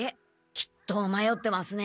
きっとまよってますね。